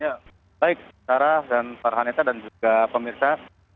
ya baik sarah dan farhanita dan juga pemirsa